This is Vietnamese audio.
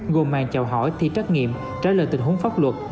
gồm màn chào hỏi thi trắc nghiệm trả lời tình huống pháp luật